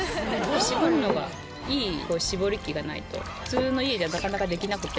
搾るのがいい搾り機がないと普通の家ではなかなかできなくて。